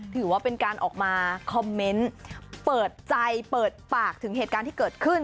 ถือว่าเป็นการออกมาคอมเมนต์เปิดใจเปิดปากถึงเหตุการณ์ที่เกิดขึ้น